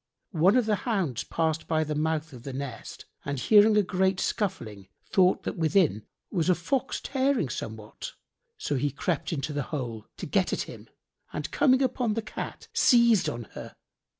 One of the hounds passed by the mouth of the nest and hearing a great scuffling, thought that within was a fox tearing somewhat; so he crept into the hole, to get at him, and coming upon the Cat, seized on her.